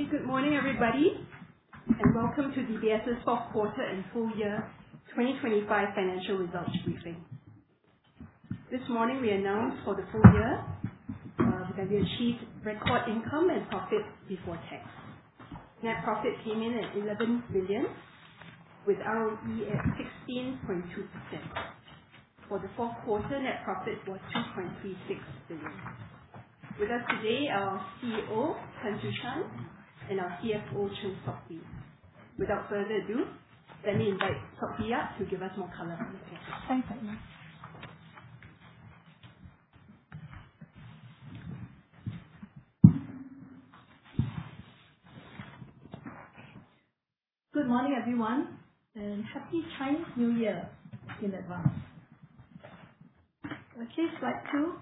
Okay, good morning, everybody, and welcome to DBS's Fourth Quarter and Full Year 2025 Financial Results briefing. This morning, we announced for the full year, that we achieved record income and profit before tax. Net profit came in at 11 billion, with ROE at 16.2%. For the fourth quarter, net profit was 2.36 billion. With us today, our CEO, Tan Su Shan, and our CFO, Chng Sok Hui. Without further ado, let me invite Sok Hui up to give us more color. Thanks. Good morning, everyone, and Happy Chinese New Year in advance. Okay, slide two.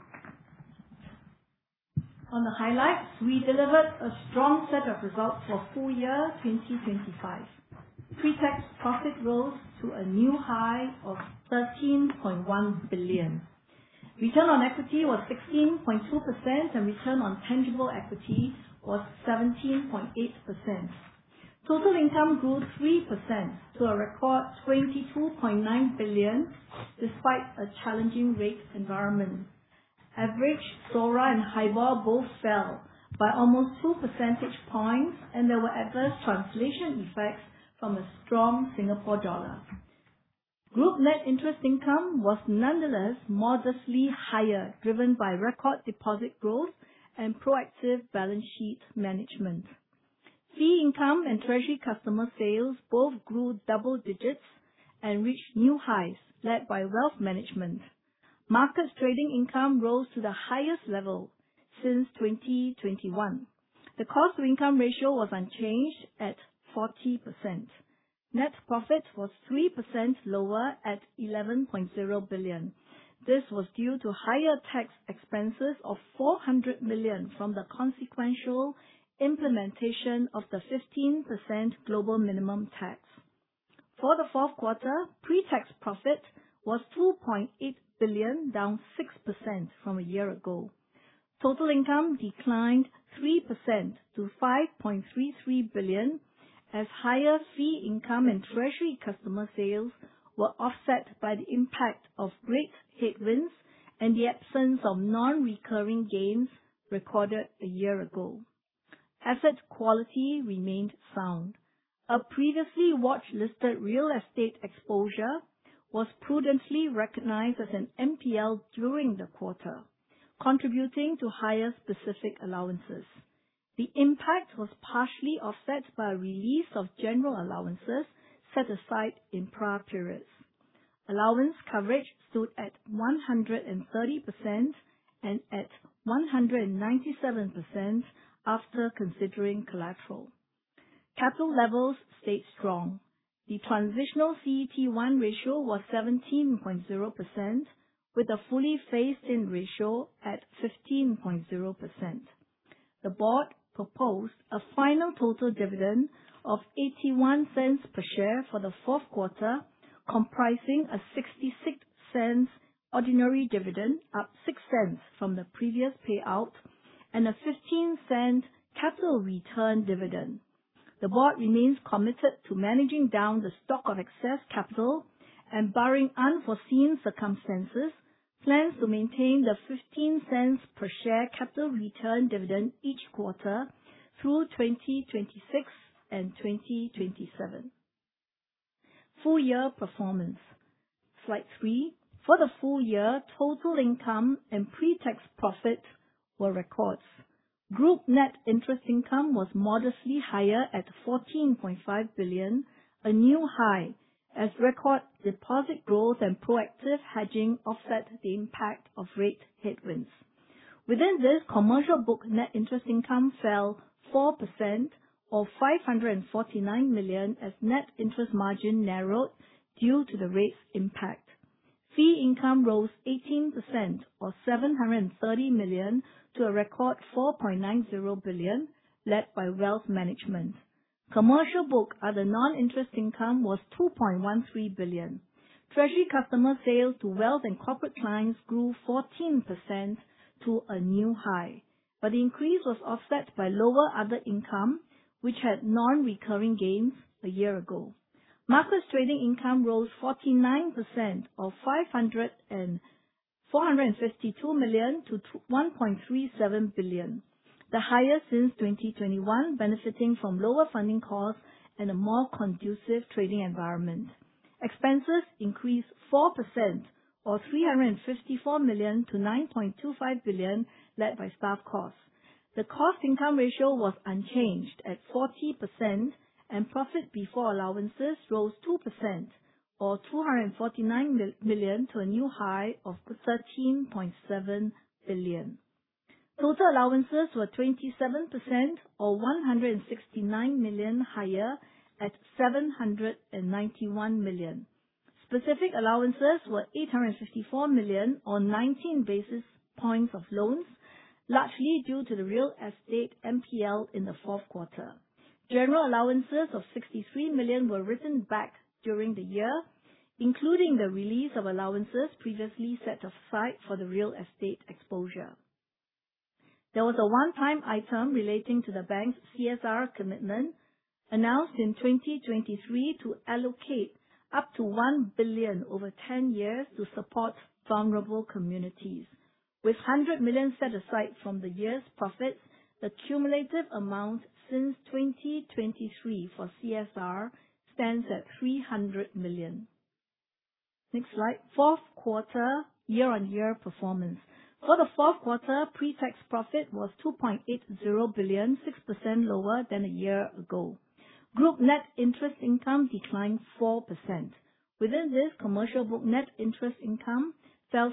On the highlights, we delivered a strong set of results for full year 2025. Pre-tax profit rose to a new high of 13.1 billion. Return on equity was 16.2%, and return on tangible equity was 17.8%. Total income grew 3% to a record 22.9 billion, despite a challenging rate environment. Average SORA and HIBOR both fell by almost two percentage points, and there were adverse translation effects from a strong Singapore dollar. Group net interest income was nonetheless modestly higher, driven by record deposit growth and proactive balance sheet management. Fee income and treasury customer sales both grew double digits and reached new highs, led by wealth management. Markets trading income rose to the highest level since 2021. The cost-to-income ratio was unchanged at 40%. Net profit was 3% lower at 11.0 billion. This was due to higher tax expenses of 400 million from the consequential implementation of the 15% global minimum tax. For the fourth quarter, pre-tax profit was 2.8 billion, down 6% from a year ago. Total income declined 3% to 5.33 billion, as higher fee income and treasury customer sales were offset by the impact of rate headwinds and the absence of non-recurring gains recorded a year ago. Asset quality remained sound. A previously watchlisted real estate exposure was prudently recognized as an NPL during the quarter, contributing to higher specific allowances. The impact was partially offset by a release of general allowances set aside in prior periods. Allowance coverage stood at 130%, and at 197% after considering collateral. Capital levels stayed strong. The transitional CET1 ratio was 17.0%, with a fully phased-in ratio at 15.0%. The board proposed a final total dividend of 0.81 per share for the fourth quarter, comprising a 0.66 ordinary dividend, up 0.06 from the previous payout, and a 0.15 capital return dividend. The board remains committed to managing down the stock of excess capital and, barring unforeseen circumstances, plans to maintain the 0.15 per share capital return dividend each quarter through 2026 and 2027. Full year performance. Slide three. For the full year, total income and pre-tax profit were records. Group net interest income was modestly higher at 14.5 billion, a new high, as record deposit growth and proactive hedging offset the impact of rate headwinds. Within this, commercial book net interest income fell 4%, or 549 million, as net interest margin narrowed due to the rate's impact. Fee income rose 18%, or SGD 730 million, to a record SGD 4.90 billion, led by wealth management. Commercial book, other non-interest income was SGD 2.13 billion. Treasury customer sales to wealth and corporate clients grew 14% to a new high, but the increase was offset by lower other income, which had non-recurring gains a year ago. Markets trading income rose 49%, or 452 million, to 1.37 billion, the highest since 2021, benefiting from lower funding costs and a more conducive trading environment. Expenses increased 4%, or 354 million, to 9.25 billion, led by staff costs. The cost income ratio was unchanged at 40%, and profit before allowances rose 2%, or 249 million, to a new high of 13.7 billion. Total allowances were 27% higher, or 169 million higher, at 791 million. Specific allowances were 854 million, or nineteen basis points of loans, largely due to the real estate NPL in the fourth quarter. General allowances of 63 million were written back during the year, including the release of allowances previously set aside for the real estate exposure. There was a one-time item relating to the bank's CSR commitment, announced in 2023 to allocate up to 1 billion over ten years to support vulnerable communities. With 100 million set aside from the year's profits, the cumulative amount since 2023 for CSR stands at 300 million. Next slide, fourth quarter year-on-year performance. For the fourth quarter, pre-tax profit was 2.80 billion, 6% lower than a year ago. Group net interest income declined 4%. Within this, commercial book net interest income fell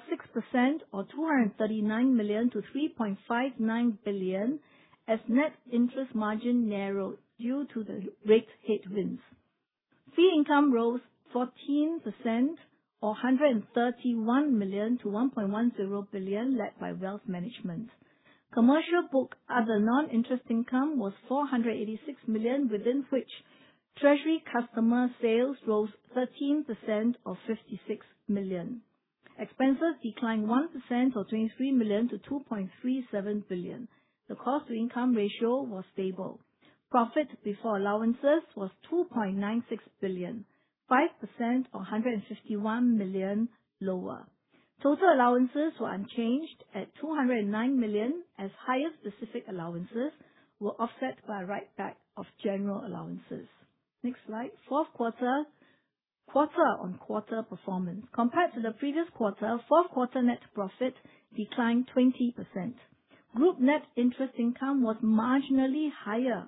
6% or 239 million to 3.59 billion, as net interest margin narrowed due to the rate headwinds. Fee income rose 14% or 131 million to 1.10 billion, led by wealth management. Commercial book, other non-interest income was 486 million, within which treasury customer sales rose 13% or 56 million. Expenses declined 1% or 23 million to 2.37 billion. The cost-to-income ratio was stable. Profit before allowances was 2.96 billion, 5% or 151 million lower. Total allowances were unchanged at 209 million, as higher specific allowances were offset by a write- back of general allowances. Next slide, fourth quarter, quarter-on-quarter performance. Compared to the previous quarter, fourth quarter net profit declined 20%. Group net interest income was marginally higher.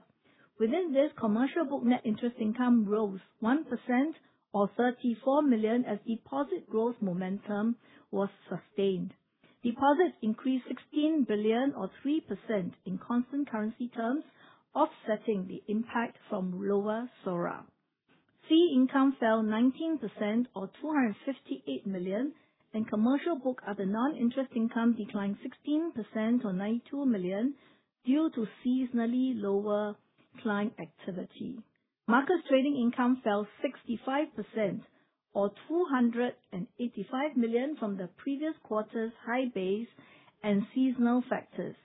Within this, commercial book net interest income rose 1% or 34 million, as deposit growth momentum was sustained. Deposits increased 16 billion or 3% in constant currency terms, offsetting the impact from lower SORA. Fee income fell 19% or 258 million, and commercial book, other non-interest income declined 16% or 92 million due to seasonally lower client activity. Markets trading income fell 65% or 285 million from the previous quarter's high base and seasonal factors.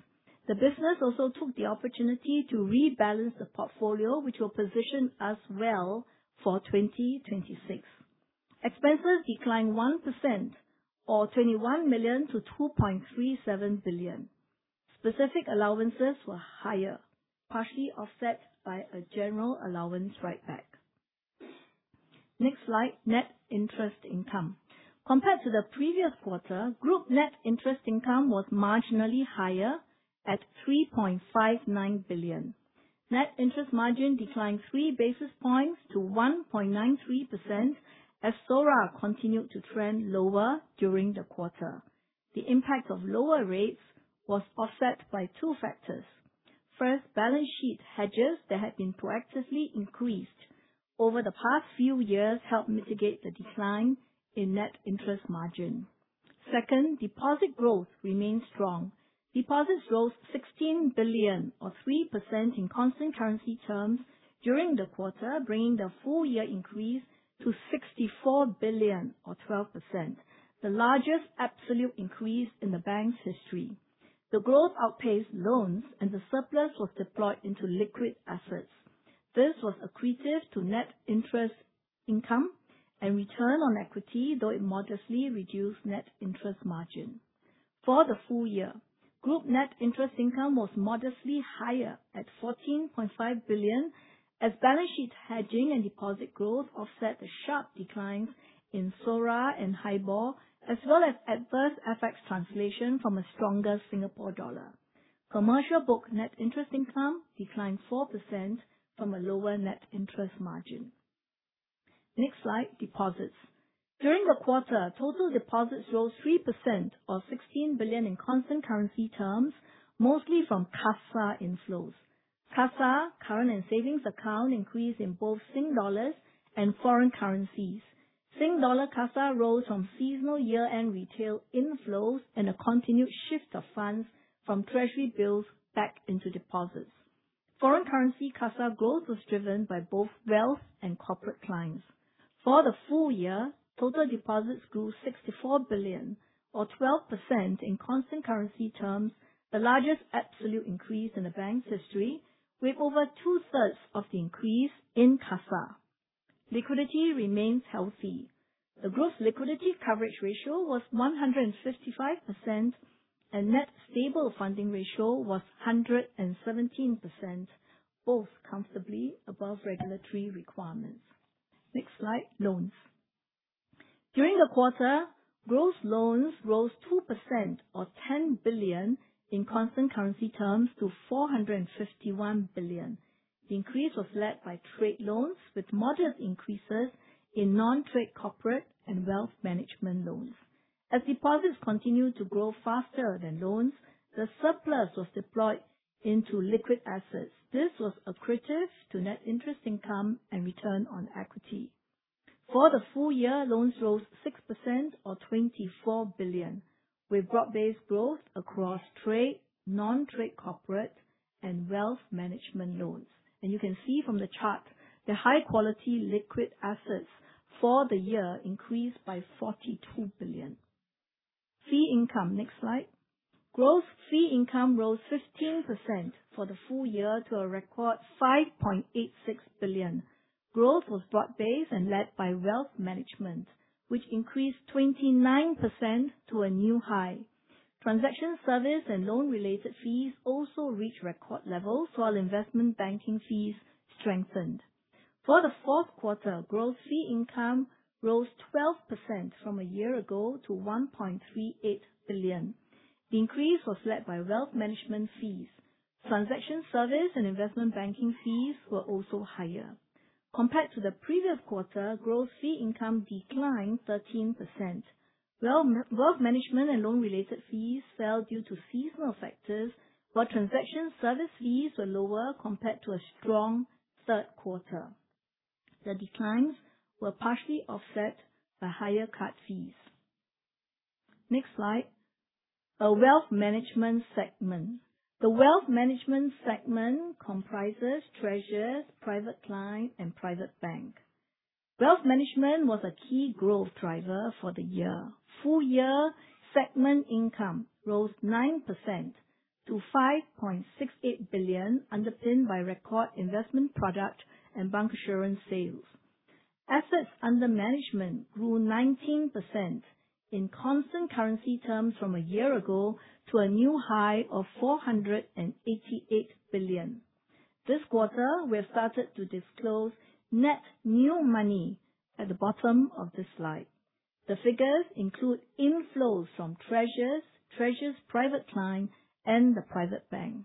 The business also took the opportunity to rebalance the portfolio, which will position us well for 2026. Expenses declined 1% or 21 million to 2.37 billion. Specific allowances were higher, partially offset by a general allowance write-back. Next slide, net interest income. Compared to the previous quarter, group net interest income was marginally higher at 3.59 billion. Net interest margin declined 3 basis points to 1.93%, as SORA continued to trend lower during the quarter. The impact of lower rates was offset by two factors. First, balance sheet hedges that had been proactively increased over the past few years helped mitigate the decline in net interest margin. Second, deposit growth remained strong. Deposits rose 16 billion or 3% in constant currency terms during the quarter, bringing the full year increase to 64 billion or 12%, the largest absolute increase in the bank's history. The growth outpaced loans and the surplus was deployed into liquid assets. This was accretive to net interest income and return on equity, though it modestly reduced net interest margin. For the full year, group net interest income was modestly higher at 14.5 billion, as balance sheet hedging and deposit growth offset the sharp declines in SORA and HIBOR, as well as adverse FX translation from a stronger Singapore dollar. Commercial book net interest income declined 4% from a lower net interest margin. Next slide, deposits. During the quarter, total deposits rose 3% or 16 billion in constant currency terms, mostly from CASA inflows. CASA, current and savings account, increased in both Sing dollars and foreign currencies. Sing dollar CASA rose from seasonal year-end retail inflows and a continued shift of funds from treasury bills back into deposits. Foreign currency CASA growth was driven by both wealth and corporate clients. For the full year, total deposits grew 64 billion or 12% in constant currency terms, the largest absolute increase in the bank's history, with over two-thirds of the increase in CASA. Liquidity remains healthy. The gross liquidity coverage ratio was 155%, and net stable funding ratio was 117%, both comfortably above regulatory requirements. Next slide, loans. During the quarter, gross loans rose 2% or 10 billion in constant currency terms to 451 billion. The increase was led by trade loans, with modest increases in non-trade, corporate, and wealth management loans. As deposits continued to grow faster than loans, the surplus was deployed into liquid assets. This was accretive to net interest income and return on equity....For the full year, loans rose 6% or 24 billion, with broad-based growth across trade, non-trade corporate, and wealth management loans. You can see from the chart, the high-quality liquid assets for the year increased by 42 billion. Fee income. Next slide. Growth, fee income rose 15% for the full year to a record 5.86 billion. Growth was broad-based and led by wealth management, which increased 29% to a new high. Transaction service and loan-related fees also reached record levels, while investment banking fees strengthened. For the fourth quarter, gross fee income rose 12% from a year ago to 1.38 billion. The increase was led by wealth management fees. Transaction service and investment banking fees were also higher. Compared to the previous quarter, gross fee income declined 13%. Wealth management and loan-related fees fell due to seasonal factors, while transaction service fees were lower compared to a strong third quarter. The declines were partially offset by higher card fees. Next slide. Our wealth management segment. The wealth management segment comprises Treasures, Private Client, and Private Bank. Wealth management was a key growth driver for the year. Full year segment income rose 9% to 5.68 billion, underpinned by record investment product and bancassurance sales. Assets under management grew 19% in constant currency terms from a year ago to a new high of 488 billion. This quarter, we have started to disclose net new money at the bottom of this slide. The figures include inflows from Treasures, Treasures Private Client, and the Private Bank.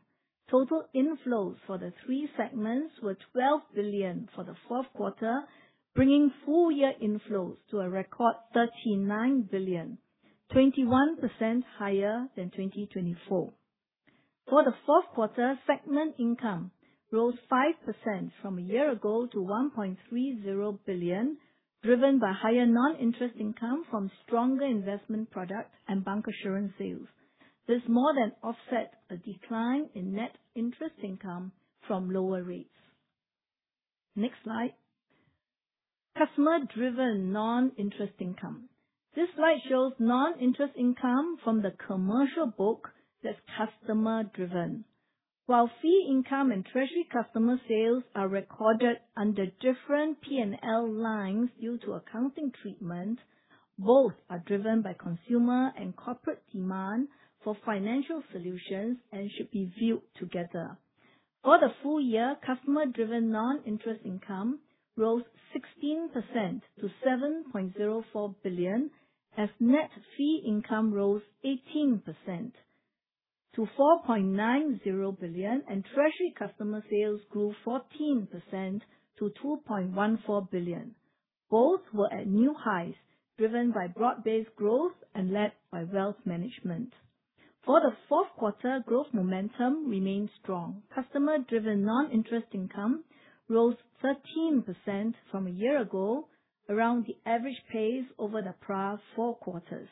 Total inflows for the three segments were 12 billion for the fourth quarter, bringing full year inflows to a record 39 billion, 21% higher than 2024. For the fourth quarter, segment income rose 5% from a year ago to 1.30 billion, driven by higher non-interest income from stronger investment products and bancassurance sales. This more than offset a decline in net interest income from lower rates. Next slide. Customer-driven non-interest income. This slide shows non-interest income from the commercial book that's customer-driven. While fee income and treasury customer sales are recorded under different P&L lines due to accounting treatment, both are driven by consumer and corporate demand for financial solutions and should be viewed together. For the full year, customer-driven non-interest income rose 16% to 7.04 billion, as net fee income rose 18% to 4.90 billion, and treasury customer sales grew 14% to 2.14 billion. Both were at new highs, driven by broad-based growth and led by wealth management. For the fourth quarter, growth momentum remained strong. Customer-driven non-interest income rose 13% from a year ago, around the average pace over the prior four quarters.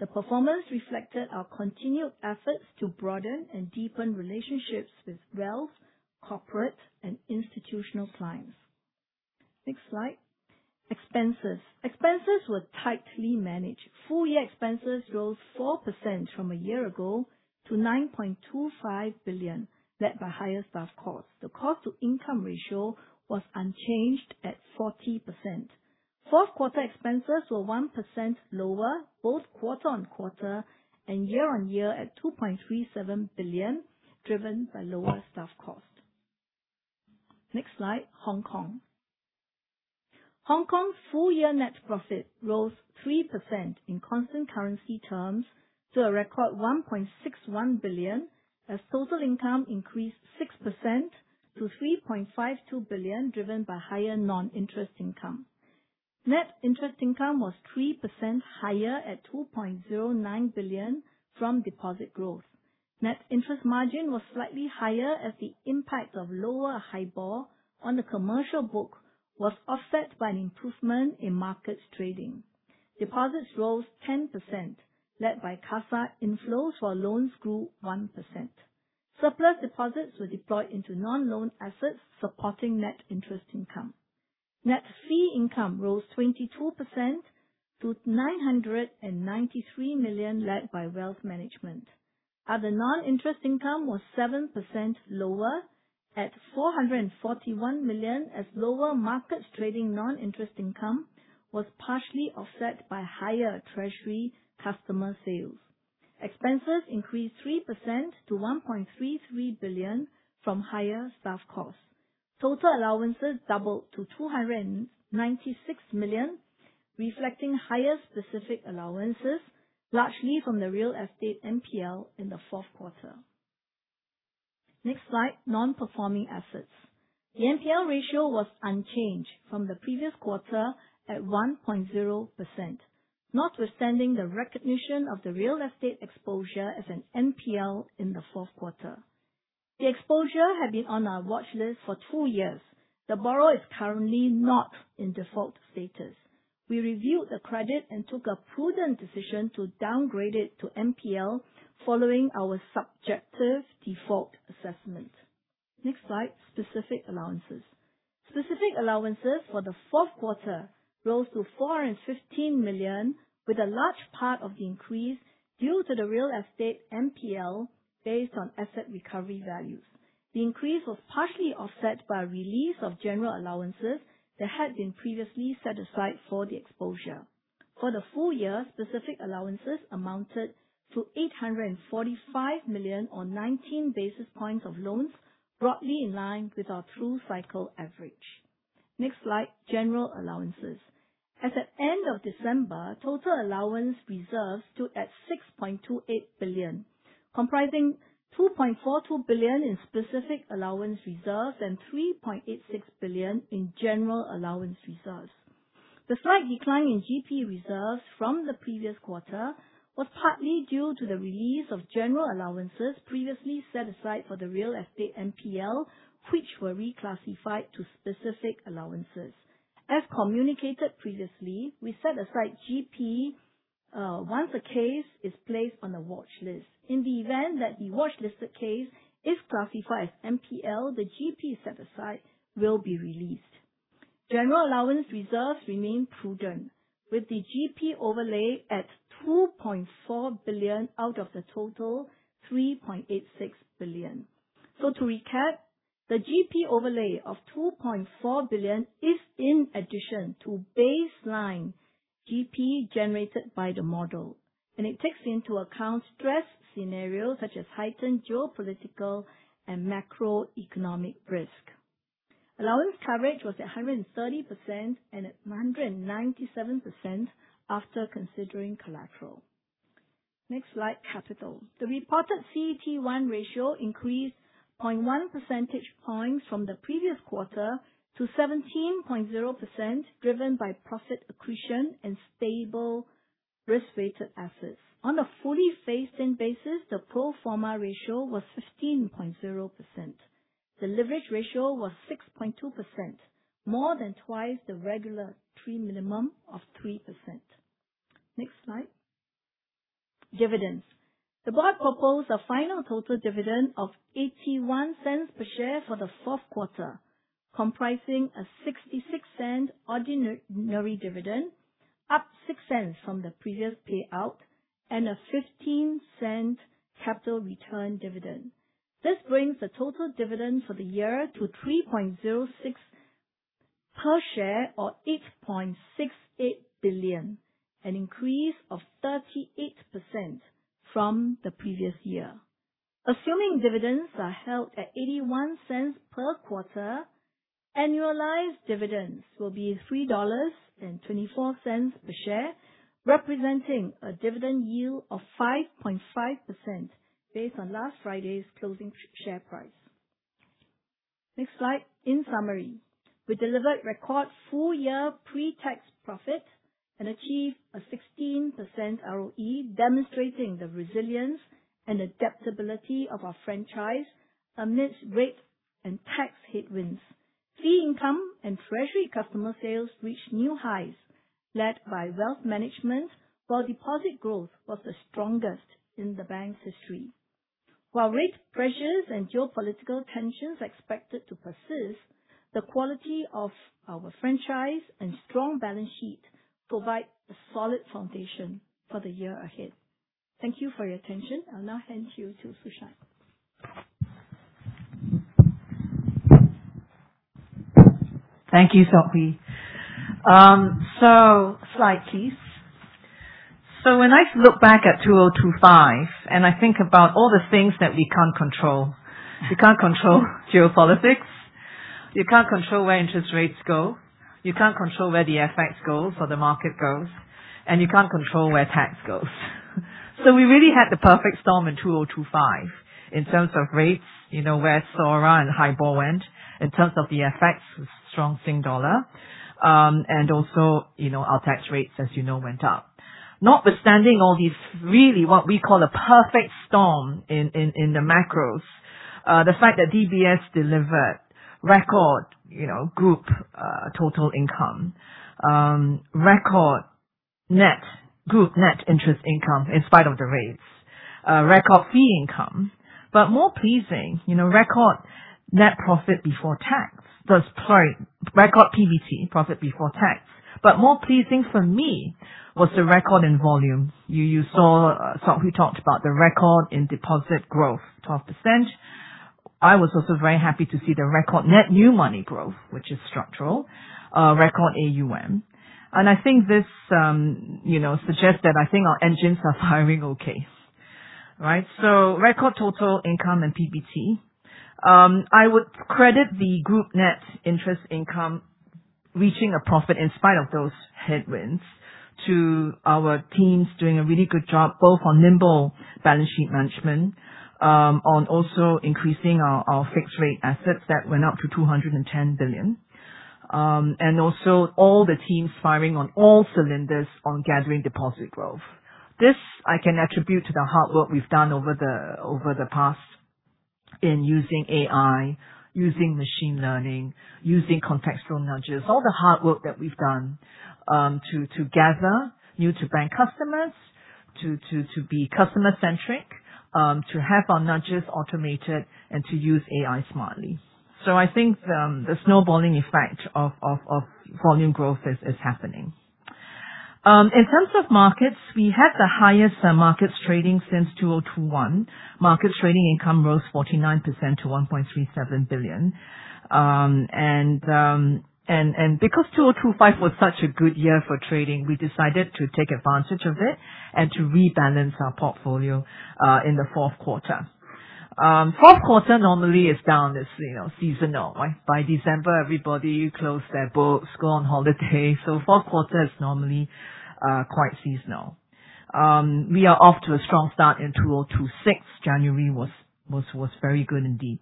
The performance reflected our continued efforts to broaden and deepen relationships with wealth, corporate, and institutional clients. Next slide. Expenses. Expenses were tightly managed. Full year expenses rose 4% from a year ago to 9.25 billion, led by higher staff costs. The cost-to-income ratio was unchanged at 40%. Fourth quarter expenses were 1% lower, both quarter-on-quarter and year-on-year, at 2.37 billion, driven by lower staff costs. Next slide, Hong Kong. Hong Kong's full year net profit rose 3% in constant currency terms to a record 1.61 billion, as total income increased 6% to 3.52 billion, driven by higher non-interest income. Net interest income was 3% higher at 2.09 billion from deposit growth. Net interest margin was slightly higher, as the impact of lower HIBOR on the commercial book was offset by an improvement in markets trading. Deposits rose 10%, led by CASA inflows, while loans grew 1%. Surplus deposits were deployed into non-loan assets, supporting net interest income. Net fee income rose 22% to 993 million, led by wealth management. Other non-interest income was 7% lower at 441 million, as lower markets trading non-interest income was partially offset by higher treasury customer sales. Expenses increased 3% to 1.33 billion from higher staff costs. Total allowances doubled to 296 million, reflecting higher specific allowances, largely from the real estate NPL in the fourth quarter. Next slide, non-performing assets. The NPL ratio was unchanged from the previous quarter at 1.0%, notwithstanding the recognition of the real estate exposure as an NPL in the fourth quarter. The exposure had been on our watch list for two years. The borrower is currently not in default status. We reviewed the credit and took a prudent decision to downgrade it to NPL following our subjective default assessment. Next slide, specific allowances. Specific allowances for the fourth quarter rose to 415 million, with a large part of the increase due to the real estate NPL based on asset recovery values. The increase was partially offset by a release of general allowances that had been previously set aside for the exposure. For the full year, specific allowances amounted to 845 million, or 19 basis points of loans, broadly in line with our true cycle average. Next slide, general allowances. As at end of December, total allowance reserves stood at 6.28 billion, comprising 2.42 billion in specific allowance reserves and 3.86 billion in general allowance reserves. The slight decline in GP reserves from the previous quarter was partly due to the release of general allowances previously set aside for the real estate NPL, which were reclassified to specific allowances. As communicated previously, we set aside GP once a case is placed on a watch list. In the event that the watch-listed case is classified as NPL, the GP set aside will be released. General allowance reserves remain prudent, with the GP overlay at 2.4 billion out of the total 3.86 billion. To recap, the GP overlay of 2.4 billion is in addition to baseline GP generated by the model, and it takes into account stress scenarios such as heightened geopolitical and macroeconomic risk. Allowance coverage was at 130% and at 197% after considering collateral. Next slide, capital. The reported CET1 ratio increased 0.1 percentage points from the previous quarter to 17.0%, driven by profit accretion and stable risk-rated assets. On a fully phased-in basis, the pro forma ratio was 15.0%. The leverage ratio was 6.2%, more than twice the regulatory minimum of 3%. Next slide, dividends. The board proposed a final total dividend of 0.81 per share for the fourth quarter, comprising a 0.66 ordinary dividend, up 0.06 from the previous payout, and a 0.15 capital return dividend. This brings the total dividend for the year to 3.06 per share, or 8.68 billion, an increase of 38% from the previous year. Assuming dividends are held at 0.81 per quarter, annualized dividends will be 3.24 dollars per share, representing a dividend yield of 5.5% based on last Friday's closing share price. Next slide. In summary, we delivered record full year pre-tax profit and achieved a 16% ROE, demonstrating the resilience and adaptability of our franchise amidst rate and tax headwinds. Fee income and treasury customer sales reached new highs, led by wealth management, while deposit growth was the strongest in the bank's history. While rate pressures and geopolitical tensions are expected to persist, the quality of our franchise and strong balance sheet provide a solid foundation for the year ahead. Thank you for your attention. I'll now hand you to Tan Su Shan. Thank you, Sok Hui. So slide, please. So when I look back at 2025, and I think about all the things that we can't control, you can't control geopolitics, you can't control where interest rates go, you can't control where the FX goes or the market goes, and you can't control where tax goes. So we really had the perfect storm in 2025 in terms of rates, you know, where SORA and HIBOR went, in terms of the effects, strong Singapore dollar, and also, you know, our tax rates, as you know, went up. Notwithstanding all these, really what we call a perfect storm in the macros, the fact that DBS delivered record, you know, group total income, record net, group net interest income, in spite of the rates, record fee income, but more pleasing, you know, record net profit before tax. So sorry, record PBT, profit before tax. But more pleasing for me was the record in volume. You saw, Sok Hui talked about the record in deposit growth, 12%. I was also very happy to see the record net new money growth, which is structural, record AUM. And I think this, you know, suggests that I think our engines are firing okay, right? So record total income and PBT. I would credit the group net interest income reaching a profit in spite of those headwinds to our teams doing a really good job, both on nimble balance sheet management, and on increasing our fixed rate assets that went up to 210 billion. And also all the teams firing on all cylinders on gathering deposit growth. This I can attribute to the hard work we've done over the past in using AI, using machine learning, using contextual nudges. All the hard work that we've done to gather new-to-bank customers, to be customer-centric, to have our nudges automated, and to use AI smartly. So I think the snowballing FX of volume growth is happening. In terms of markets, we had the highest markets trading since 2021. Markets trading income rose 49% to 1.37 billion. And because 2025 was such a good year for trading, we decided to take advantage of it and to rebalance our portfolio in the fourth quarter. Fourth quarter normally is down. It's, you know, seasonal, right? By December, everybody close their books, go on holiday, so fourth quarter is normally quite seasonal. We are off to a strong start in 2026. January was very good indeed.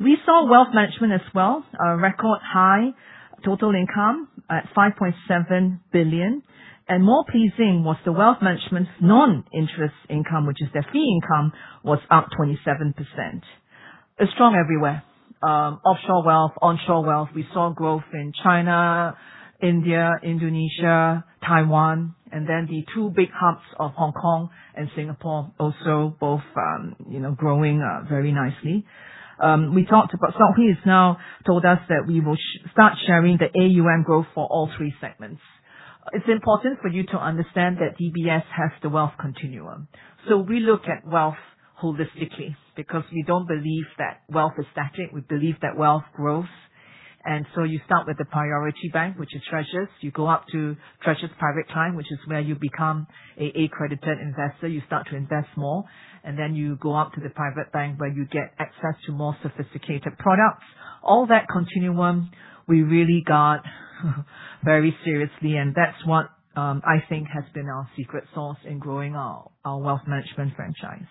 We saw wealth management as well, a record high total income at 5.7 billion, and more pleasing was the wealth management's non-interest income, which is their fee income, was up 27%. It's strong everywhere. Offshore wealth, onshore wealth. We saw growth in China, India, Indonesia, Taiwan, and then the two big hubs of Hong Kong and Singapore also both, you know, growing very nicely. We talked about. Sok Hui has now told us that we will start sharing the AUM growth for all three segments. It's important for you to understand that DBS has the wealth continuum. So we look at wealth holistically because we don't believe that wealth is static. We believe that wealth grows. And so you start with the priority bank, which is Treasures. You go up to Treasures Private Client, which is where you become an accredited investor. You start to invest more, and then you go up to the private bank, where you get access to more sophisticated products. All that continuum, we really got very seriously, and that's what I think has been our secret sauce in growing our, our wealth management franchise.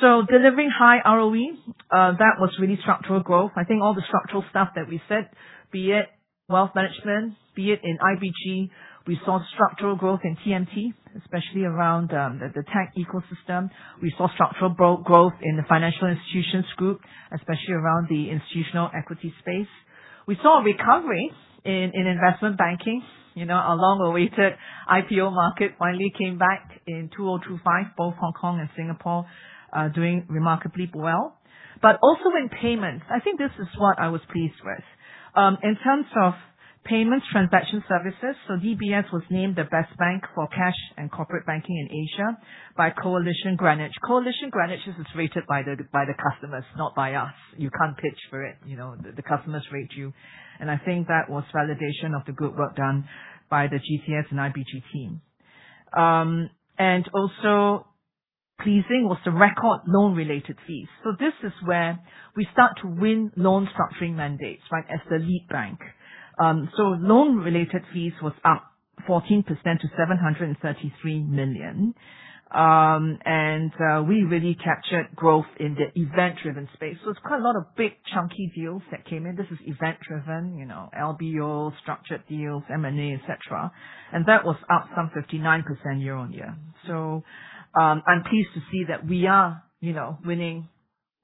So delivering high ROE, that was really structural growth. I think all the structural stuff that we said, be it wealth management, be it in IBG, we saw structural growth in TMT, especially around the tech ecosystem. We saw structural growth in the Financial Institutions Group, especially around the institutional equity space. We saw a recovery in investment banking. You know, our long-awaited IPO market finally came back in 2025, both Hong Kong and Singapore doing remarkably well. But also in payments, I think this is what I was pleased with. In terms of payments, transaction services, so DBS was named the Best Bank for Cash and Corporate Banking in Asia by Coalition Greenwich. Coalition Greenwich is rated by the, by the customers, not by us. You can't pitch for it. You know, the, the customers rate you, and I think that was validation of the good work done by the GTS and IBG team. And also pleasing was the record loan-related fees. So this is where we start to win loan structuring mandates, right, as the lead bank. So loan-related fees was up 14% to 733 million. And we really captured growth in the event-driven space, so it's quite a lot of big, chunky deals that came in. This is event-driven, you know, LBO, structured deals, M&A, et cetera, and that was up some 59% year-on-year. So, I'm pleased to see that we are, you know, winning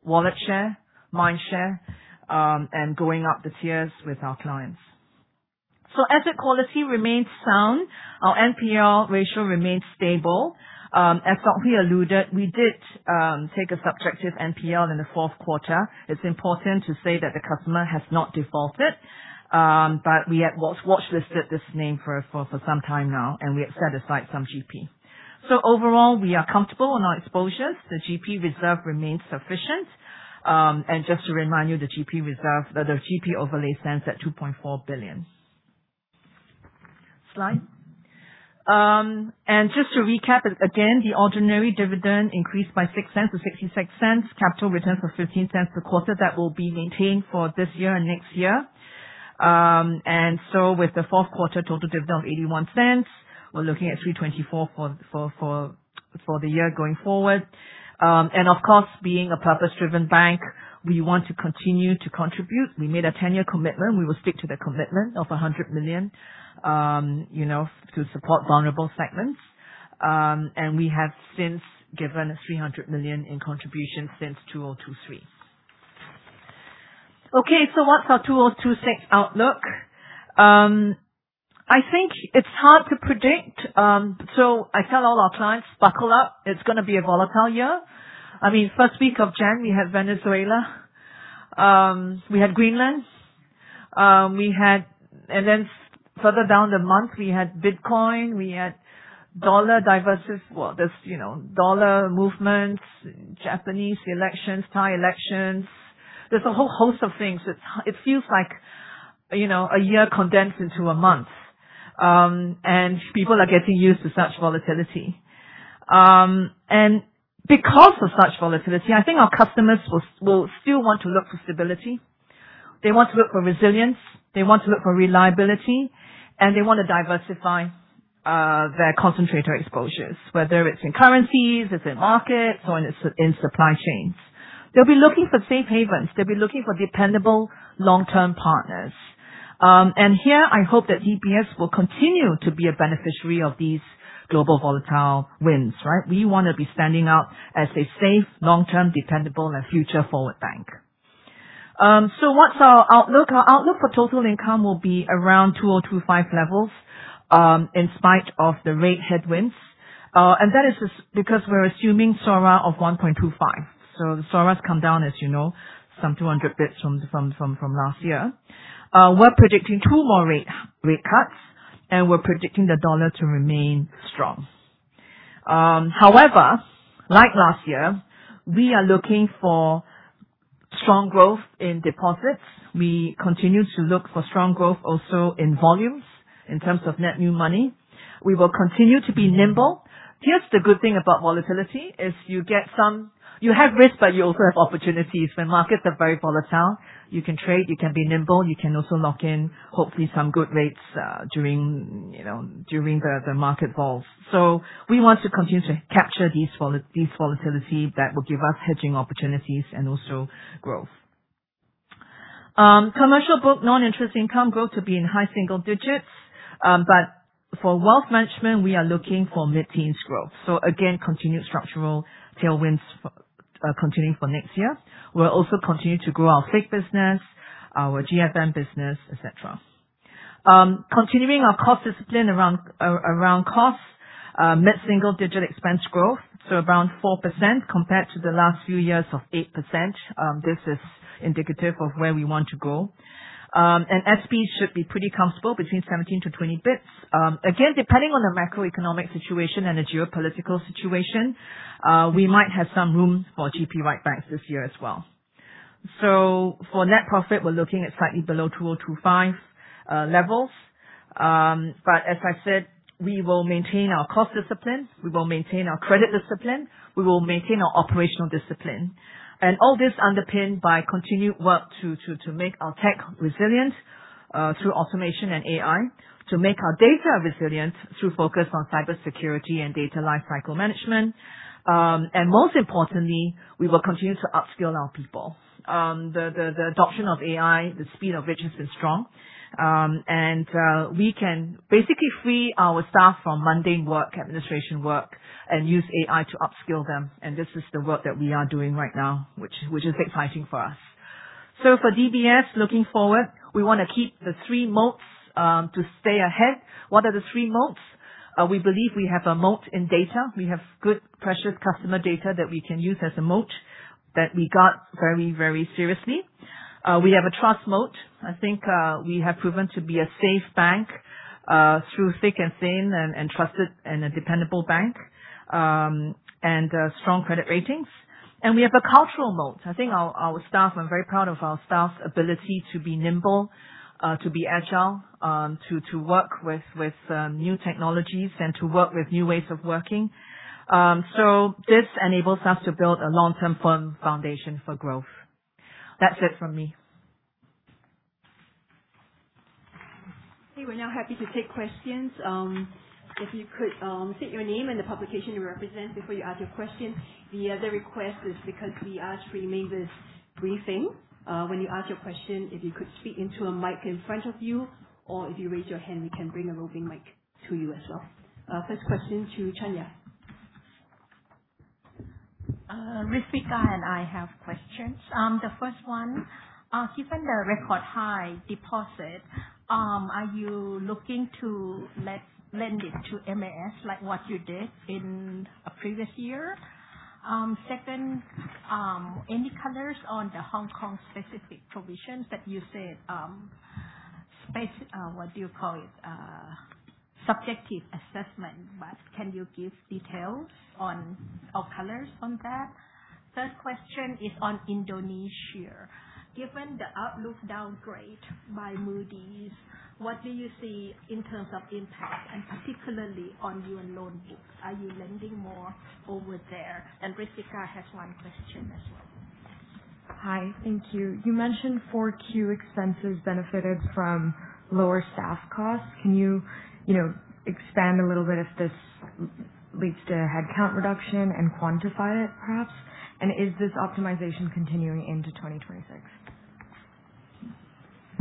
wallet share, mind share, and going up the tiers with our clients. So asset quality remains sound. Our NPL ratio remains stable. As Sok Hui alluded, we did take a subjective NPL in the fourth quarter. It's important to say that the customer has not defaulted, but we had watchlisted this name for some time now, and we have set aside some GP. So overall, we are comfortable in our exposures. The GP reserve remains sufficient. And just to remind you, the GP reserve, the GP overlay stands at 2.4 billion. Slide. And just to recap, again, the ordinary dividend increased by 0.06 to 0.66. Capital returns of 0.15 per quarter. That will be maintained for this year and next year. And so with the fourth quarter total dividend of 0.81, we're looking at 3.24 for the year going forward. And of course, being a purpose-driven bank, we want to continue to contribute. We made a 10-year commitment. We will stick to the commitment of 100 million, you know, to support vulnerable segments. And we have since given 300 million in contributions since 2023. Okay, so what's our 2026 outlook? I think it's hard to predict. So I tell all our clients, "Buckle up, it's gonna be a volatile year." I mean, first week of January, we had Venezuela, we had Greenland, we had... And then further down the month, we had Bitcoin, we had dollar divergence. Well, there's, you know, dollar movements, Japanese elections, Thai elections. There's a whole host of things. It's hard. It feels like, you know, a year condensed into a month. And people are getting used to such volatility. And because of such volatility, I think our customers will, will still want to look for stability, they want to look for resilience, they want to look for reliability, and they want to diversify, their concentrator exposures, whether it's in currencies, it's in markets, or in supply chains. They'll be looking for safe havens. They'll be looking for dependable, long-term partners. And here, I hope that DBS will continue to be a beneficiary of these global volatile winds, right? We wanna be standing out as a safe, long-term, dependable, and future-forward bank. So what's our outlook? Our outlook for total income will be around 2025 levels, in spite of the rate headwinds. That is just because we're assuming SORA of 1.25. So the SORA's come down, as you know, some 200 basis points from last year. We're predicting two more rate cuts, and we're predicting the dollar to remain strong. However, like last year, we are looking for strong growth in deposits. We continue to look for strong growth also in volumes, in terms of net new money. We will continue to be nimble. Here's the good thing about volatility: you get some. You have risks, but you also have opportunities. When markets are very volatile, you can trade, you can be nimble, you can also lock in, hopefully, some good rates during, you know, the market falls. So we want to continue to capture these volatility that will give us hedging opportunities and also growth. Commercial book non-interest income growth to be in high single digits, but for wealth management, we are looking for mid-teens growth. So again, continued structural tailwinds continuing for next year. We'll also continue to grow our FICC business, our GFM business, et cetera. Continuing our cost discipline around costs, mid-single digit expense growth, so around 4% compared to the last few years of 8%. This is indicative of where we want to go. And SP should be pretty comfortable between 17-20 basis points. Again, depending on the macroeconomic situation and the geopolitical situation, we might have some room for GP writebacks this year as well. So for net profit, we're looking at slightly below 2025 levels. But as I've said, we will maintain our cost discipline, we will maintain our credit discipline, we will maintain our operational discipline. And all this underpinned by continued work to make our tech resilient through automation and AI, to make our data resilient through focus on cybersecurity and data lifecycle management. And most importantly, we will continue to upskill our people. The adoption of AI, the speed of which has been strong, and we can basically free our staff from mundane work, administration work, and use AI to upskill them, and this is the work that we are doing right now, which is exciting for us. So for DBS, looking forward, we wanna keep the three moats to stay ahead. What are the three moats? We believe we have a moat in data. We have good, precious customer data that we can use as a moat, that we guard very, very seriously. We have a trust moat. I think, we have proven to be a safe bank, through thick and thin, and trusted and a dependable bank, and strong credit ratings. We have a cultural moat. I think our staff, I'm very proud of our staff's ability to be nimble, to be agile, to work with new technologies and to work with new ways of working. So this enables us to build a long-term firm foundation for growth. That's it from me. Okay, we're now happy to take questions. If you could state your name and the publication you represent before you ask your question. The other request is because we ask to remain this briefing, when you ask your question, if you could speak into a mic in front of you, or if you raise your hand, we can bring a roving mic to you as well. First question to Su Shan, Chanya. Rthvika and I have questions. The first one, given the record high deposit, are you looking to lend it to MAS like what you did in a previous year? Second, any colors on the Hong Kong specific provisions that you said, what do you call it? Subjective assessment, but can you give details on, or colors on that? Third question is on Indonesia. Given the outlook downgrade by Moody's, what do you see in terms of impact, and particularly on your loan books? Are you lending more over there? Rthvika has one question as well. Hi, thank you. You mentioned 4Q expenses benefited from lower staff costs. Can you, you know, expand a little bit if this leads to a headcount reduction and quantify it, perhaps? And is this optimization continuing into 2026?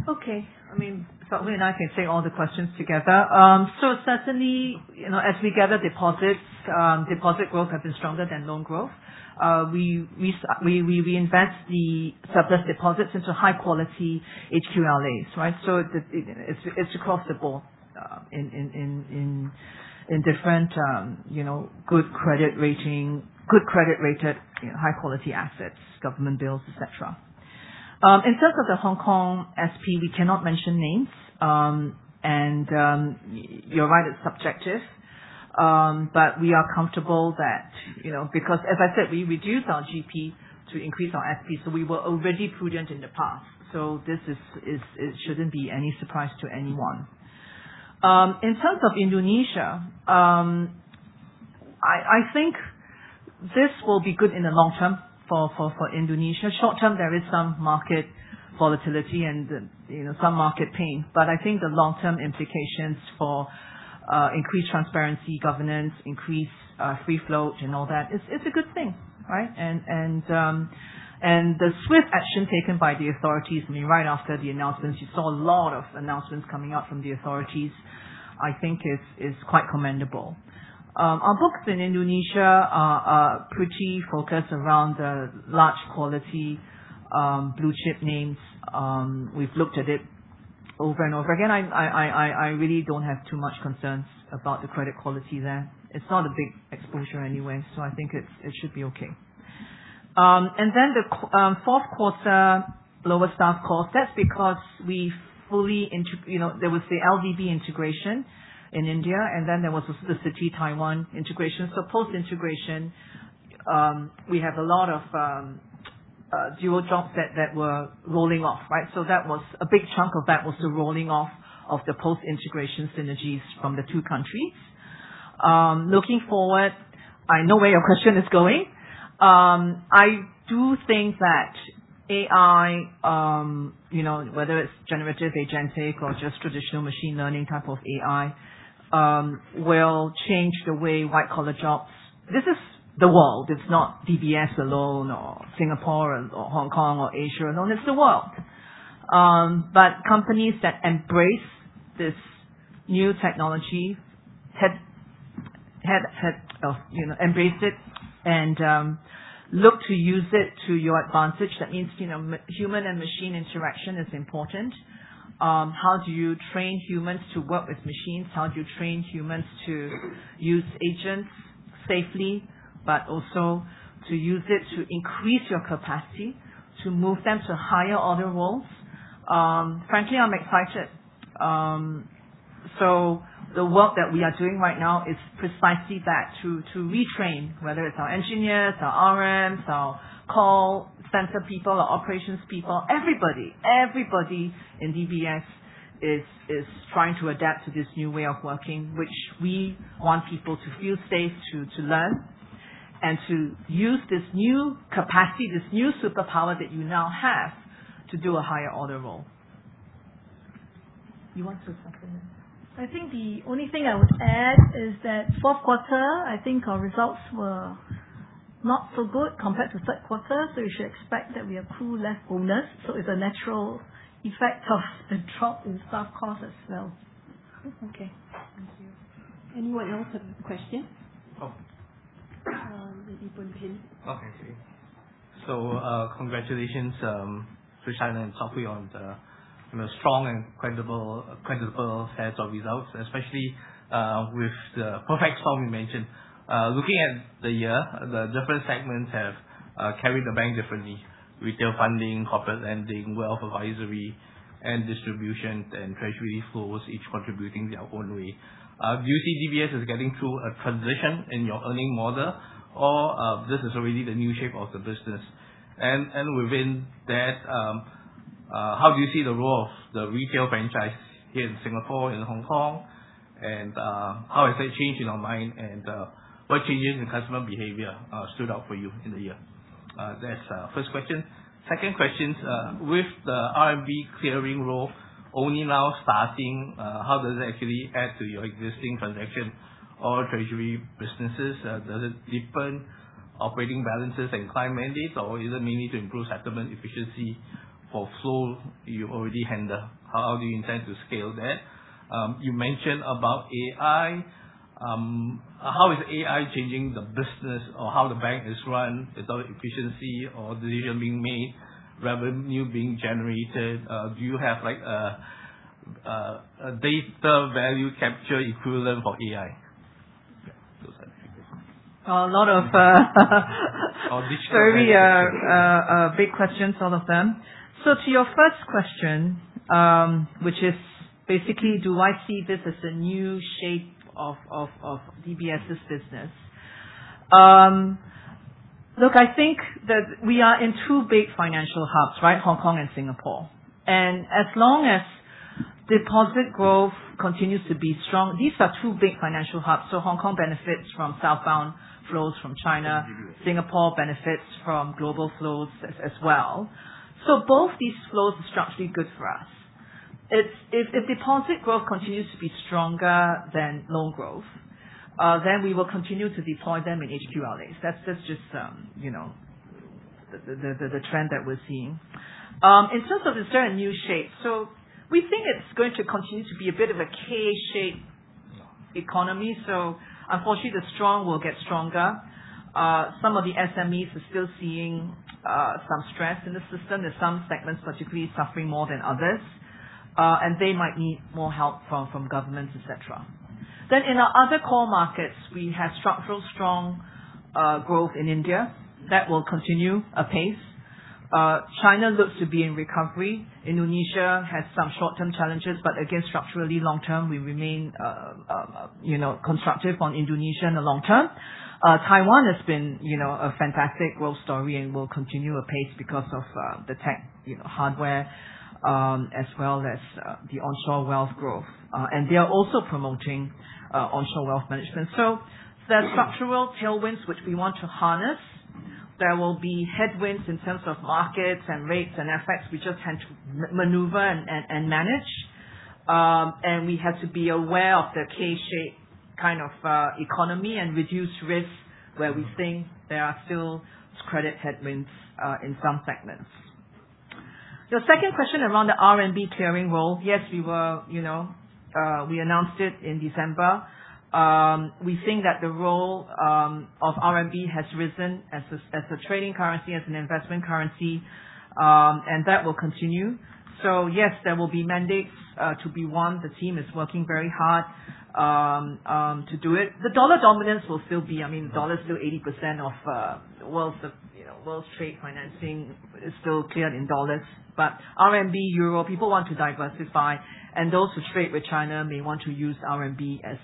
Okay. I mean so, and I can take all the questions together. So certainly, you know, as we gather deposits, deposit growth has been stronger than loan growth. We reinvest the surplus deposits into high quality HQLAs, right? So it is across the board, in different, you know, good credit rating, good credit rated, high quality assets, government bills, et cetera. In terms of the Hong Kong SP, we cannot mention names. And, you're right, it's subjective. But we are comfortable that, you know, because as I said, we reduced our GP to increase our SP, so we were already prudent in the past, so this is, it shouldn't be any surprise to anyone. In terms of Indonesia, I think this will be good in the long term for Indonesia. Short term, there is some market volatility and, you know, some market pain. But I think the long-term implications for increased transparency, governance, increased free float and all that, it's a good thing, right? And the swift action taken by the authorities, I mean, right after the announcement, you saw a lot of announcements coming out from the authorities, I think is quite commendable. Our books in Indonesia are pretty focused around the large quality blue chip names. We've looked at it over and over again. I really don't have too much concerns about the credit quality there. It's not a big exposure anyway, so I think it should be okay. And then the fourth quarter, lower staff cost, that's because. You know, there was the LVB integration in India, and then there was the Citi Taiwan integration. So post-integration, we have a lot of dual jobs that were rolling off, right? So that was. A big chunk of that was the rolling off of the post-integration synergies from the two countries. Looking forward, I know where your question is going. I do think that AI, you know, whether it's generative, agentic, or just traditional machine learning type of AI, will change the way white-collar jobs. This is the world. It's not DBS alone, or Singapore, or Hong Kong, or Asia alone. It's the world. But companies that embrace this new technology have embraced it and, you know, look to use it to your advantage. That means, you know, human and machine interaction is important. How do you train humans to work with machines? How do you train humans to use agents safely, but also to use it to increase your capacity to move them to higher order roles? Frankly, I'm excited. So the work that we are doing right now is precisely that, to retrain, whether it's our engineers, our RMs, our call center people, our operations people, everybody in DBS is trying to adapt to this new way of working, which we want people to feel safe to learn and to use this new capacity, this new superpower that you now have to do a higher order role. You want to say something? I think the only thing I would add is that fourth quarter, I think our results were not so good compared to third quarter, so you should expect that we accrue less bonus. So it's a natural FX of the drop in staff cost as well. Okay. Thank you. Anyone else have questions? Oh. Maybe Ben King. Okay. So, congratulations to Su Shan and Sok Hui on the, you know, strong and credible, credible set of results, especially with the perfect storm you mentioned. Looking at the year, the different segments have carried the bank differently. Retail funding, corporate lending, wealth advisory, and distribution and treasury flows, each contributing their own way. Do you see DBS as getting through a transition in your earning model, or this is already the new shape of the business? And within that, how do you see the role of the retail franchise here in Singapore and Hong Kong? And how has that changed in your mind, and what changes in customer behavior stood out for you in the year? That's first question. Second question, with the RMB clearing role only now starting, how does it actually add to your existing transaction or treasury businesses? Does it deepen operating balances and client mandates, or is it mainly to improve settlement efficiency for flow you already handle? How do you intend to scale that? You mentioned about AI. How is AI changing the business or how the bank is run? Is it efficiency or decision being made, revenue being generated? Do you have, like, a data value capture equivalent for AI? Yeah, those are my questions. A lot of - Or which one-... very big questions, all of them. So to your first question, which is basically, do I see this as a new shape of DBS's business? Look, I think that we are in two big financial hubs, right? Hong Kong and Singapore. And as long as deposit growth continues to be strong, these are two big financial hubs. So Hong Kong benefits from southbound flows from China. Singapore benefits from global flows as well. So both these flows are structurally good for us. If deposit growth continues to be stronger than loan growth, then we will continue to deploy them in HQLAs. That's just you know, the trend that we're seeing. In terms of is there a new shape? So we think it's going to continue to be a bit of a K-shaped economy. So unfortunately, the strong will get stronger. Some of the SMEs are still seeing some stress in the system. There's some segments particularly suffering more than others, and they might need more help from governments, et cetera. In our other core markets, we have structural strong growth in India. That will continue apace. China looks to be in recovery. Indonesia has some short-term challenges, but again, structurally long-term, we remain, you know, constructive on Indonesia in the long term. Taiwan has been, you know, a fantastic growth story and will continue apace because of the tech, you know, hardware, as well as the onshore wealth growth. And they are also promoting onshore wealth management. So there are structural tailwinds which we want to harness. There will be headwinds in terms of markets and rates and effects we just have to maneuver and manage. And we have to be aware of the K-shaped kind of economy and reduce risks, where we think there are still credit headwinds in some segments. The second question around the RMB clearing role, yes, we were. You know, we announced it in December. We think that the role of RMB has risen as a trading currency, as an investment currency, and that will continue. So yes, there will be mandates to be one. The team is working very hard to do it. The dollar dominance will still be. I mean, dollar is still 80% of world, you know, world trade financing is still cleared in dollars. But RMB, Euro, people want to diversify, and those who trade with China may want to use RMB as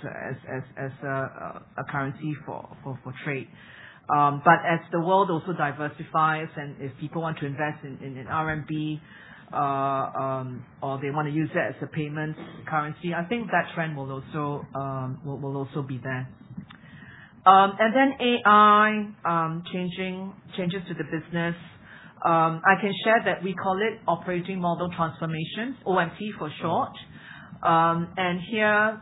a currency for trade. But as the world also diversifies, and if people want to invest in RMB, or they want to use that as a payment currency, I think that trend will also be there. And then AI changing changes to the business. I can share that we call it Operating Model Transformation, OMT for short. And here,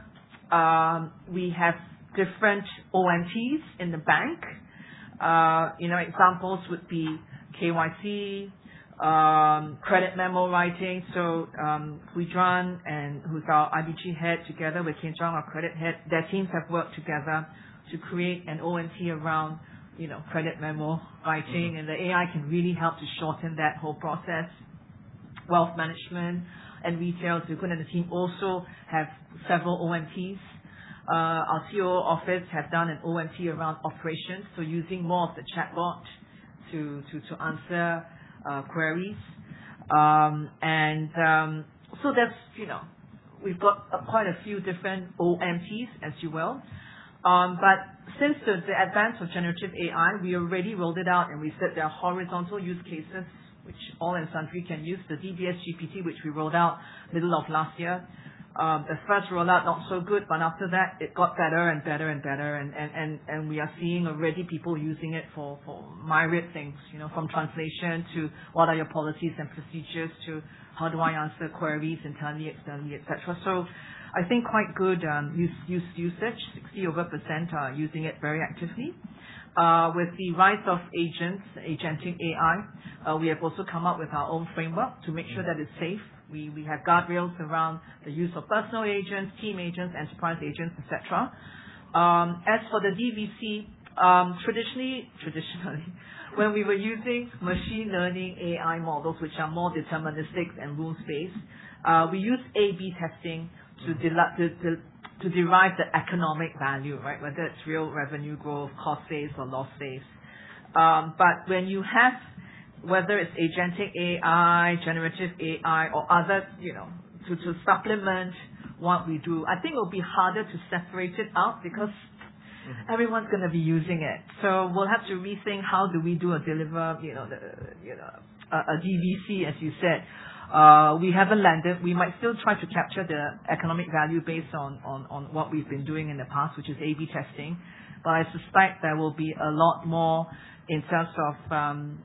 we have different OMTs in the bank. You know, examples would be KYC, credit memo writing. So, Kwee Juan, who's our IBG head, together with Kian Tiong, our credit head, their teams have worked together to create an OMT around, you know, credit memo writing. And the AI can really help to shorten that whole process. Wealth management and retail, Tse Koon and the team also have several OMTs. Our COO office have done an OMT around operations, so using more of the chatbot to answer queries. So that's, you know, we've got quite a few different OMTs, as you will. But since the advance of generative AI, we already rolled it out, and we said there are horizontal use cases which all and sundry can use. The DBS GPT, which we rolled out middle of last year. The first rollout, not so good, but after that, it got better and better and better. We are seeing already people using it for myriad things, you know, from translation to what are your policies and procedures, to how do I answer queries internally, externally, et cetera. So I think quite good usage. Over 60% are using it very actively. With the rise of agents, agentic AI, we have also come up with our own framework to make sure that it's safe. We have guardrails around the use of personal agents, team agents, enterprise agents, et cetera. As for the DVC, traditionally, when we were using machine learning AI models, which are more deterministic and rules-based, we use A/B testing to derive the economic value, right? Whether it's real revenue growth, cost saves or loss saves. But when you have... Whether it's agentic AI, generative AI or other, you know, to supplement what we do, I think it'll be harder to separate it out because everyone's gonna be using it. So we'll have to rethink how do we do or deliver, you know, a DVC, as you said. We haven't landed. We might still try to capture the economic value based on what we've been doing in the past, which is A/B testing. But I suspect there will be a lot more in terms of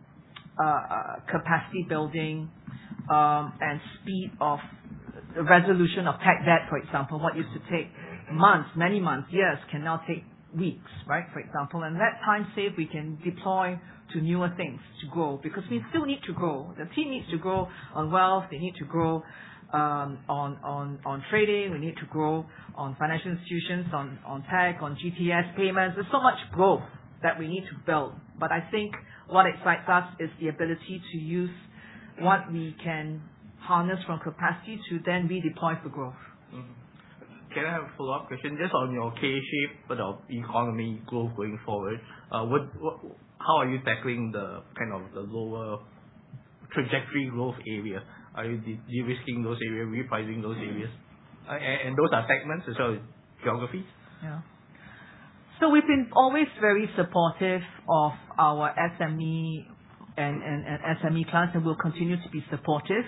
capacity building and speed of the resolution of tech debt, for example. What used to take months, many months, years, can now take weeks, right? For example. And that time save, we can deploy to newer things to grow, because we still need to grow. The team needs to grow on wealth, they need to grow on trading. We need to grow on financial institutions, on tech, on GTS, payments. There's so much growth that we need to build. But I think what excites us is the ability to use what we can harness from capacity to then redeploy for growth. Mm-hmm. Can I have a follow-up question? Just on your K shape of the economy growth going forward, what, how are you tackling the, kind of the lower trajectory growth area? Are you de-risking those areas, repricing those areas? And those are segments as well as geographies? Yeah. So we've been always very supportive of our SME and SME clients, and we'll continue to be supportive.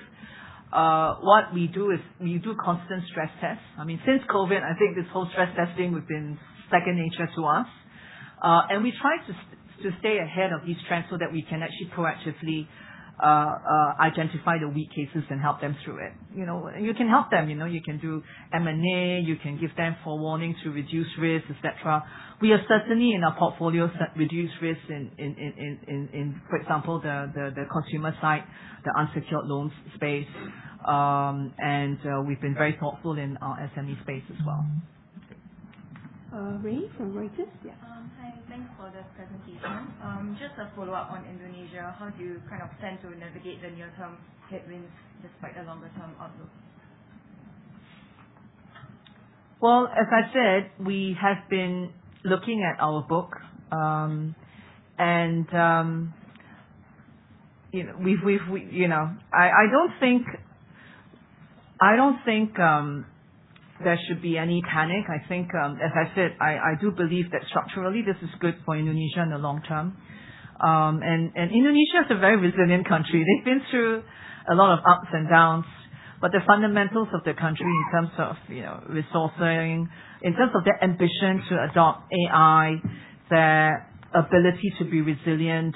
What we do is we do constant stress tests. I mean, since COVID, I think this whole stress testing has been second nature to us. And we try to stay ahead of these trends so that we can actually proactively identify the weak cases and help them through it. You know, you can help them, you know, you can do M&A, you can give them forewarning to reduce risks, et cetera. We are certainly in our portfolios, reduce risks in, for example, the consumer side, the unsecured loans space. And we've been very thoughtful in our SME space as well. Ngui from Reuters. Yeah. Hi. Thanks for the presentation. Just a follow-up on Indonesia. How do you kind of plan to navigate the near-term headwinds despite the longer-term outlook? Well, as I said, we have been looking at our book. You know, I don't think there should be any panic. I think, as I said, I do believe that structurally this is good for Indonesia in the long term. And Indonesia is a very resilient country. They've been through a lot of ups and downs, but the fundamentals of the country in terms of, you know, resourcing, in terms of their ambition to adopt AI, their ability to be resilient,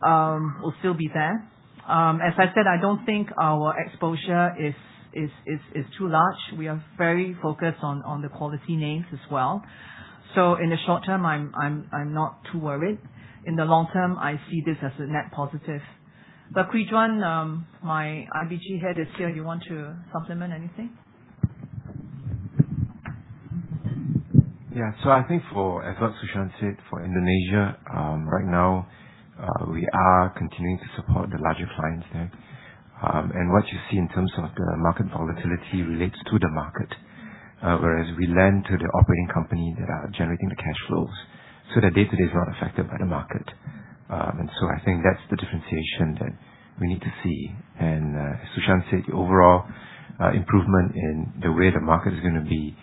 will still be there. As I said, I don't think our exposure is too large. We are very focused on the quality names as well. So in the short term, I'm not too worried. In the long term, I see this as a net positive. But Kwee Juan, my IBG head is here. You want to supplement anything? Yeah. So I think for, as Su Shan said, for Indonesia, right now, we are continuing to support the larger clients there. And what you see in terms of the market volatility relates to the market, whereas we lend to the operating company that are generating the cash flows, so their day-to-day is not affected by the market. And so I think that's the differentiation that we need to see. And, Su Shan said, the overall improvement in the way the market is gonna be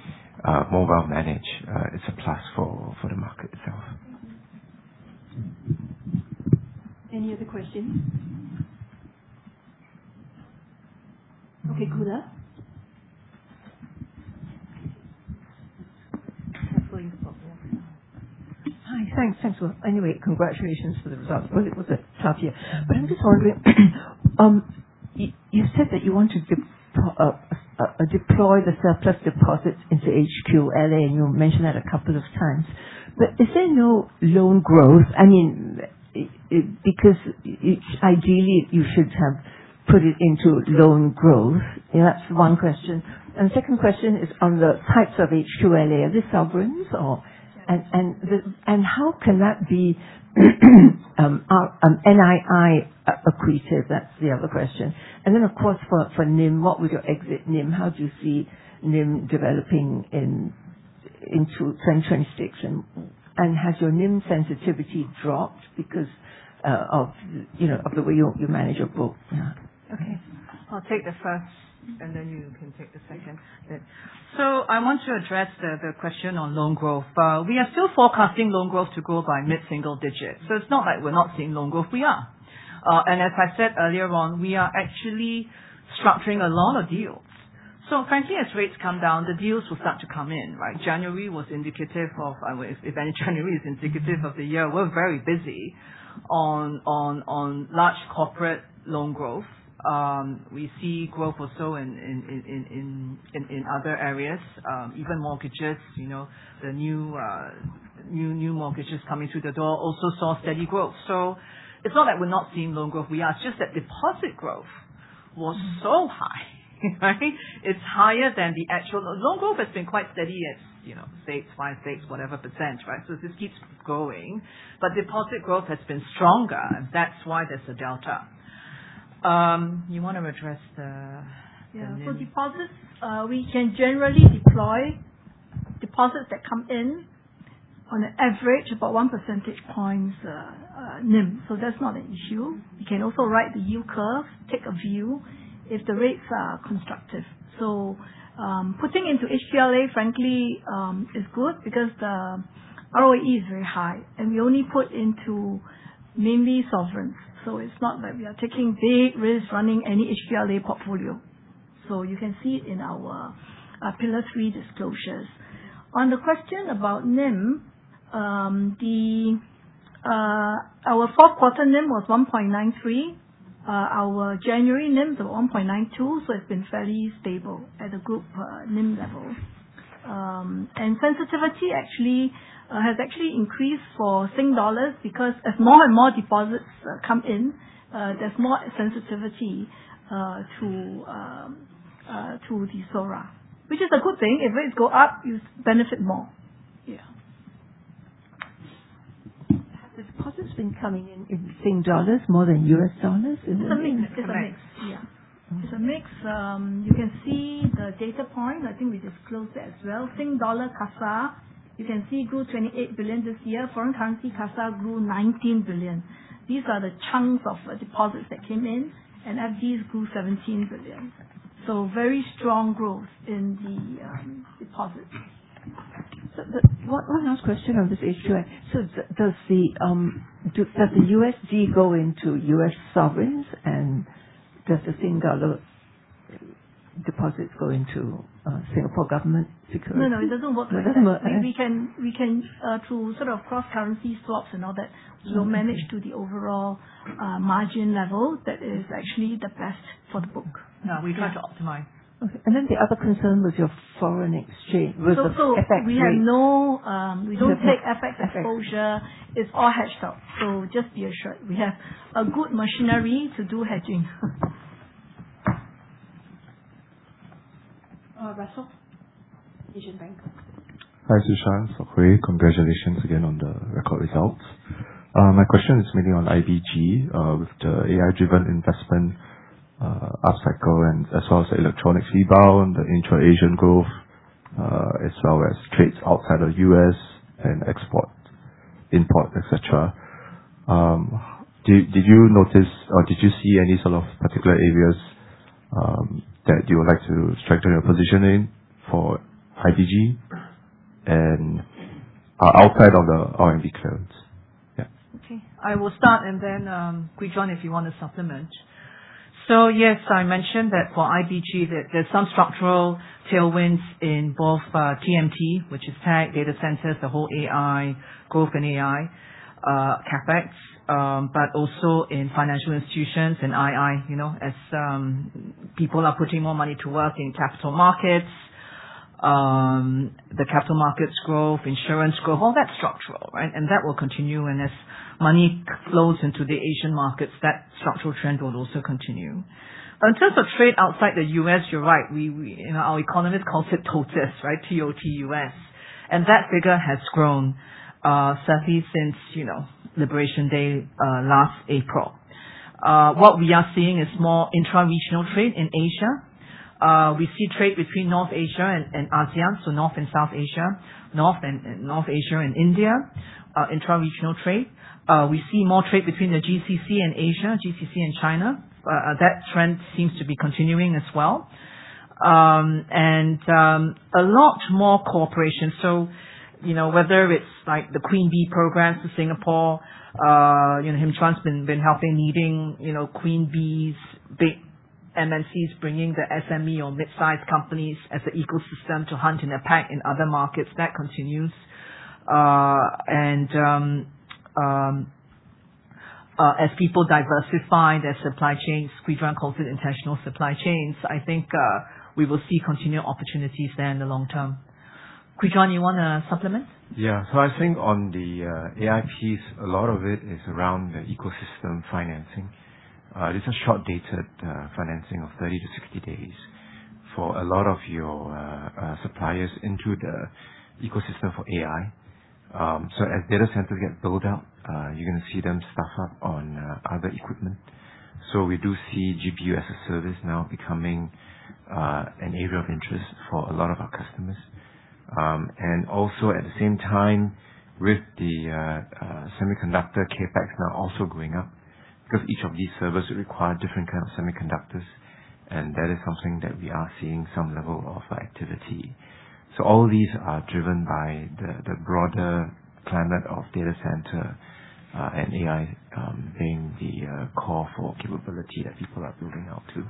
mobile managed is a plus for, for the market itself. Any other questions? Okay, Goola. Hi. Thanks. Thanks. Well, anyway, congratulations for the results. Well, it was a tough year. You said that you want to deploy the surplus deposits into HQLA, and you mentioned that a couple of times. But is there no loan growth? I mean, because ideally, you should have put it into loan growth. You know, that's one question. And second question is on the types of HQLA. Are they sovereigns, or And how can that be NII accretive? That's the other question. And then, of course, for NIM, what would your exit NIM? How do you see NIM developing into 2026? And has your NIM sensitivity dropped because of, you know, of the way you manage your book? Yeah. Okay, I'll take the first, and then you can take the second. Yeah. So I want to address the question on loan growth. We are still forecasting loan growth to grow by mid-single digits, so it's not like we're not seeing loan growth. We are. And as I said earlier on, we are actually structuring a lot of deals. So frankly, as rates come down, the deals will start to come in, right? January was indicative of, if any, January is indicative of the year. We're very busy on large corporate loan growth. We see growth also in other areas, even mortgages, you know, the new mortgages coming through the door also saw steady growth. So it's not that we're not seeing loan growth, we are. It's just that deposit growth was so high, right? It's higher than the actual... Loan growth has been quite steady at, you know, say, 5, 6, whatever %, right? So this keeps growing, but deposit growth has been stronger, and that's why there's a delta. You want to address the NIM? Yeah. So deposits, we can generally deploy deposits that come in on an average about 1 percentage point, NIM. So that's not an issue. You can also ride the yield curve, take a view if the rates are constructive. So, putting into HQLA, frankly, is good because the ROE is very high, and we only put into mainly sovereigns. So it's not like we are taking big risks running any HQLA portfolio. So you can see it in our, Pillar 3 disclosures. On the question about NIM, Our fourth quarter NIM was 1.93. Our January NIM is 1.92, so it's been fairly stable at a group, NIM level. And sensitivity actually has actually increased for Singapore dollars, because as more and more deposits come in, there's more sensitivity to the SORA, which is a good thing. If rates go up, you benefit more. Yeah. Have the deposits been coming in in Singapore dollars more than U.S. dollars? It's a mix. It's a mix. Yeah. It's a mix. You can see the data point. I think we disclosed it as well. Singapore dollar CASA, you can see, grew 28 billion this year. Foreign currency CASA grew 19 billion. These are the chunks of deposits that came in, and FD grew 17 billion. So very strong growth in the deposits. So the one last question on this HQLA. So does the USD go into U.S. sovereigns, and does the Singapore dollar deposits go into Singapore government securities? No, no, it doesn't work like that. It doesn't work. We can, we can, through sort of cross-currency swaps and all that... Mm-hmm. We'll manage to the overall margin level that is actually the best for the book. Yeah, we try to optimize. Okay. And then the other concern was your foreign exchange with the effect- We have no... We don't take effect, exposure. Effect. It's all hedged out. So just be assured, we have a good machinery to do hedging. Russell, Asian Bank. Hi, Sushant, Kwee. Congratulations again on the record results. My question is mainly on IBG, with the AI-driven investment upcycle and as well as the electronics rebound, the intra-Asian growth, as well as trades outside of U.S. and export.... import, et cetera. Did you notice or did you see any sort of particular areas that you would like to strengthen your position in for IBG and outside of the RMB clearing? Yeah. Okay, I will start, and then, Kwee Juan, if you want to supplement. So yes, I mentioned that for IBG, that there's some structural tailwinds in both, TMT, which is tech, data centers, the whole AI, growth in AI, CapEx, but also in financial institutions and II. You know, as people are putting more money to work in capital markets, the capital markets growth, insurance growth, all that's structural, right? And that will continue. And as money flows into the Asian markets, that structural trend will also continue. In terms of trade outside the U.S., you're right. We-- Our economist calls it TOTUS, right? T-O-T-U-S. And that figure has grown, certainly since, you know, Liberation Day, last April. What we are seeing is more intra-regional trade in Asia. We see trade between North Asia and ASEAN, so North and South Asia, North Asia and India, intra-regional trade. We see more trade between the GCC and Asia, GCC and China. That trend seems to be continuing as well. A lot more cooperation. So, you know, whether it's like the Queen Bee program for Singapore, you know, Kwee Juan has been helping, leading, you know, Queen Bees, big MNCs, bringing the SME or mid-sized companies as an ecosystem to hunt in a pack in other markets. That continues. And as people diversify their supply chains, Kwee Juan calls it international supply chains. I think we will see continued opportunities there in the long term. Kwee Juan, you wanna supplement? Yeah. So I think on the AI piece, a lot of it is around the ecosystem financing. This is short-dated financing of 30-60 days for a lot of your suppliers into the ecosystem for AI. So as data centers get built out, you're gonna see them stock up on other equipment. So we do see GPU as a service now becoming an area of interest for a lot of our customers. And also at the same time, with the semiconductor CapEx now also going up, because each of these servers require different kind of semiconductors, and that is something that we are seeing some level of activity. All of these are driven by the broader climate of data center and AI being the core four capability that people are building out to.